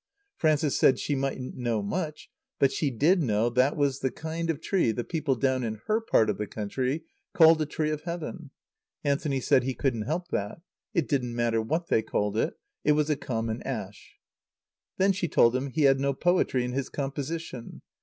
Frances said she mightn't know much, but she did know that was the kind of tree the people down in her part of the country called a tree of Heaven. Anthony said he couldn't help that. It didn't matter what they called it. It was a common ash. Then she told him he had no poetry in his composition.